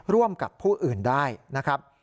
ร่วมกับผู้อื่นได้นะครับ